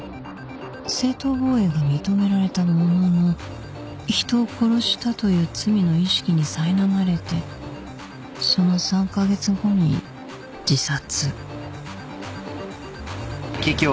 正当防衛が認められたものの人を殺したという罪の意識にさいなまれてその３カ月後に自殺